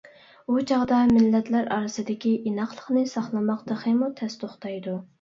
ئۇ چاغدا مىللەتلەر ئارىسىدىكى ئىناقلىقنى ساقلىماق تېخىمۇ تەس توختايدۇ.